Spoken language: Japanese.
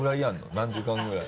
何時間ぐらい？